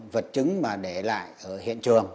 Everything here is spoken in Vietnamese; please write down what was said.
vật chứng mà để lại ở hiện trường